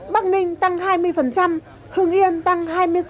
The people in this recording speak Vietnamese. bắc ninh tăng hai mươi hưng yên tăng hai mươi sáu